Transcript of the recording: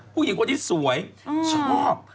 ผู้หญิงคนนี้สวยชอบ